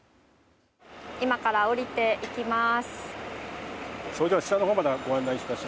今から下りていきます。